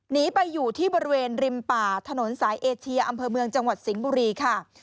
หนีไปอยู่ที่บริเวณริมป่าถนนสายเอเชียอำเภอเมืองจังหวัดสิงห์บุรีค่ะ